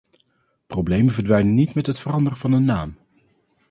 Problemen verdwijnen niet met het veranderen van een naam.